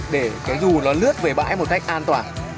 để cái dù nó lướt về bãi một cách an toàn